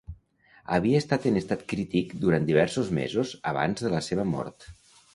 Havia estat en estat crític durant diversos mesos abans de la seva mort.